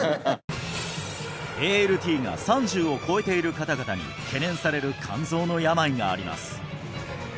ＡＬＴが３０を超えている方々に懸念される肝臓の病があります